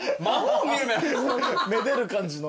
めでる感じの。